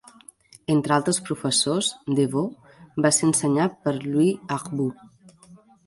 Entre altres professors, Deveaux va ser ensenyat per Louise Arbour.